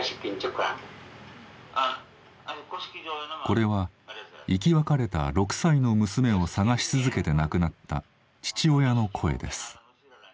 これは生き別れた６歳の娘を捜し続けて亡くなった父親の声です。